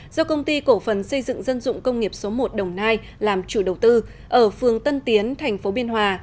do công ty cổ phần xây dựng dân dụng công nghiệp số một đồng nai làm chủ đầu tư ở phường tân tiến tp biên hòa